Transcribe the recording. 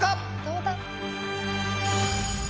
どうだ？